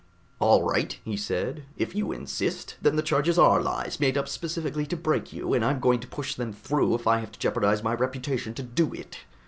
"All right," he said, "if you insist, then the charges are lies, made up specifically to break you, and I'm going to push them through if I have to jeopardize my reputation to do it.